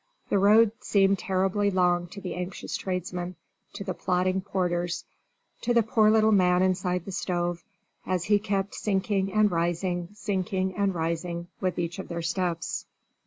The road seemed terribly long to the anxious tradesmen, to the plodding porters, to the poor little man inside the stove, as he kept sinking and rising, sinking and rising, with each of their steps.